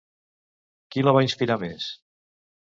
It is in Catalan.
Qui la va inspirar més?